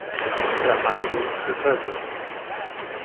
Trabalhe antes do prazer.